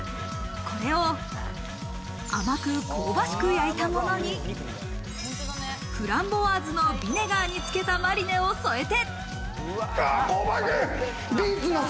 これを甘く香ばしく焼いたものにフランボワーズのビネガーにつけたマリネを添えて。